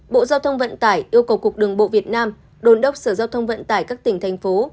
bộ giao thông vận tải yêu cầu cục đường bộ việt nam đồn đốc sở giao thông vận tải các tỉnh thành phố